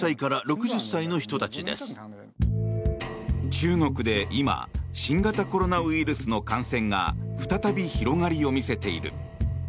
中国で今新型コロナウイルスの感染が再び広がりを見せている。